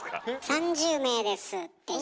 「３０名です」って言う。